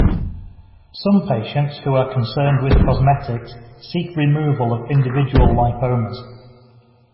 Some patients who are concerned with cosmetics seek removal of individual lipomas.